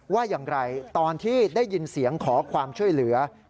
ว่าอย่างไรตอนที่ได้ยินเสียงขอความช่วยเหลือ